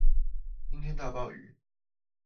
今天大暴雨